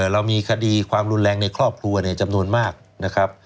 เรามีคดีความรุนแรงในครอบครัวจำนวนมากนะครับ